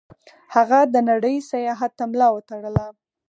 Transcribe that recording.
هغه د نړۍ سیاحت ته ملا وتړله.